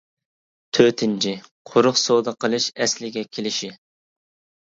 تۆتىنچى : قۇرۇق سودا قىلىش ئەسلىگە كېلىشى.